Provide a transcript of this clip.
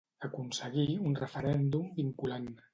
Aconseguir un referèndum vinculant.